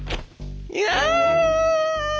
いや！